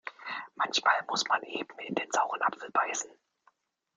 Manchmal muss man eben in den sauren Apfel beißen.